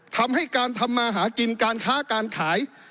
ทำให้การทำมาหากินการค้าการขาย